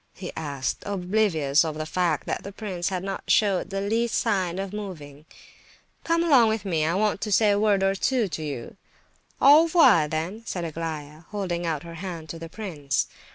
he asked, oblivious of the fact that the prince had not showed the least sign of moving. "Come along with me; I want to say a word or two to you." "Au revoir, then!" said Aglaya, holding out her hand to the prince.